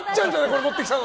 これ持ってきたの。